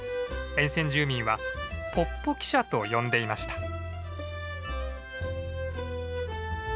沿線住民はポッポ汽車と呼んでいました。